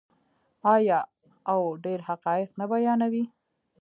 آیا او ډیر حقایق نه بیانوي؟